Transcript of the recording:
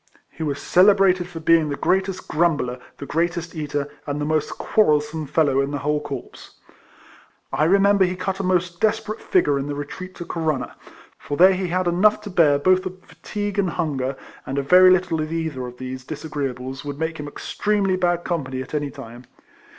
He was celebrated for being the greatest grumbler, the greatest eater, and the most quarrelsome fellow in the whole corps. I remember he cut a most desperate figure in the retreat to Corunna ; for there he had enough to bear both of fatigue and hunger ; and a very little of either of these disagreeables would make him extremely bad company at any time.